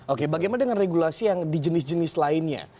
oke bagaimana dengan regulasi yang di jenis jenis lainnya